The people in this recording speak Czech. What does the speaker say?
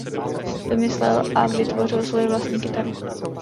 Vymyslel a vytvořil svoji vlastní kytaru.